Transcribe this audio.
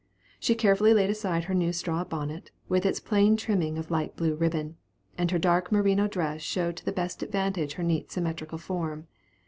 She carefully laid aside her new straw bonnet, with its plain trimming of light blue ribbon, and her dark merino dress showed to the best advantage her neat symmetrical form.